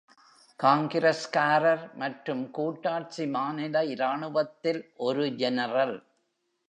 காங்கிரஸ்காரர் மற்றும் கூட்டாட்சி மாநில இராணுவத்தில் ஒரு ஜெனரல்.